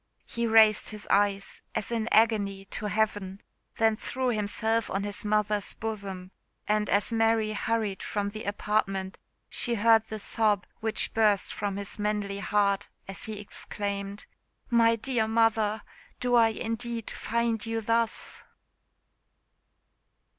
He raised his eyes, as in agony, to heaven then threw himself on his mother's bosom; and as Mary hurried from the apartment she heard the sob which burst from his manly heart, as he exclaimed, "My dear mother! do I indeed find you thus?"